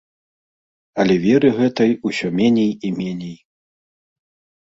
Але веры гэтай усё меней і меней.